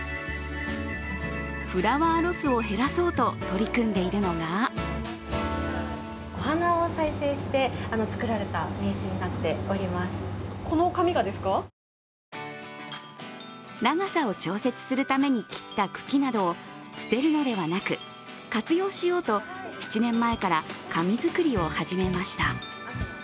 フラワーロスを減らそうと取り組んでいるのが長さを調節するために切った茎などを捨てるのではなく活用しようと７年前から紙作りを始めました。